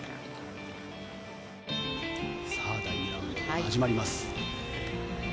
さあ第２ラウンドが始まります。